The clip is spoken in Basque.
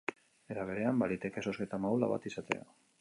Era berean, baliteke zozketa maula bat izatea.